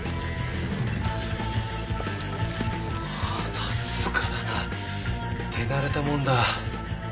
さすがだな。手慣れたもんだ。